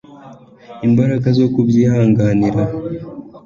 imbaraga zo kubyihanganira